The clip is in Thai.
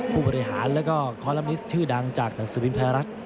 ผู้บริหารและก็คอลอมิสชื่อดังจากหนังสือวินแพรรัช